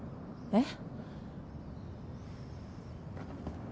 えっ？